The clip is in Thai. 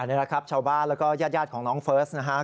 นี่แหละครับชาวบ้านแล้วก็ญาติของน้องเฟิร์สนะครับ